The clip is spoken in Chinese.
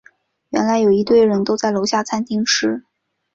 原来有一堆人都在楼下餐厅吃